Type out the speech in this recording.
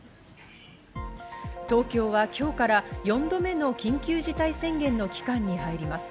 東京は今日から４度目の緊急事態宣言の期間に入ります。